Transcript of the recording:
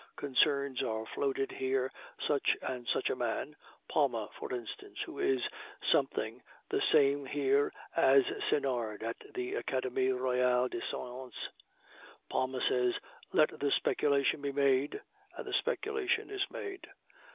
Concerns are floated here, such and such a man Palma, for instance, who is something the same here as Sinard at the Academie Royale des Sciences Palma says, "let the speculation be made!" and the speculation is made.